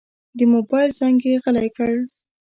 د موبایل زنګ یې غلی کړ.